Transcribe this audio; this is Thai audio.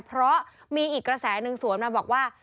เพราะมีอีกกระแสหนึ่งสวนมาบอกว่า